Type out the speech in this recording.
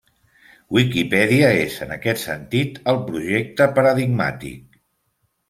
Wikipedia és, en aquest sentit, el projecte paradigmàtic.